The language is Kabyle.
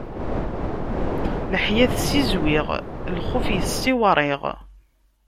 Leḥya tessizwiɣ, lxuf issiwṛiɣ.